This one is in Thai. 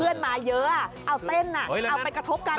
เพื่อนมาเยอะเอาเต้นเอาไปกระทบกัน